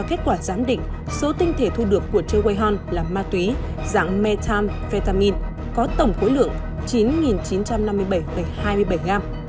kết quả giám định số tinh thể thu được của choe wei hon là ma túy dạng methamphetamine có tổng khối lượng chín chín trăm năm mươi bảy hai mươi bảy g